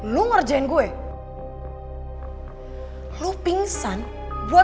sampai ketemu lagi